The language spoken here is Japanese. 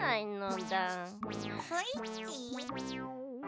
スイッチ？